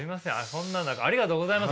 そんな中ありがとうございます。